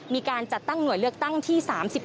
มีการจัดตั้งหน่วยเลือกตั้งที่๓๑